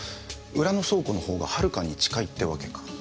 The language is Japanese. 裏の倉庫のほうがはるかに近いってわけか。